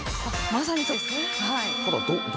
まさにそうです。